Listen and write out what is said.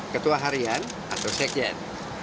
ketua harian atau sekjen